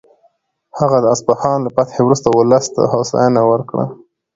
هغه د اصفهان له فتحې وروسته ولس ته هوساینه ورکړه.